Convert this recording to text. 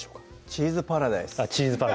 チーズパラダイス